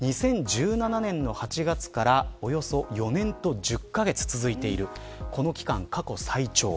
２０１７年の８月からおよそ４年と１０カ月続いているこの期間、過去最長。